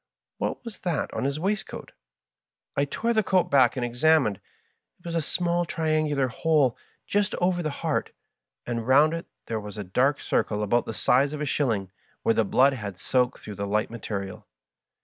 "What was that on his waistcoat ? I tore the coat back and examined : it was a small triangular hole just over the heart, and round it there was a dark circle about the size of a shilling, where the blood had soaked through the light material.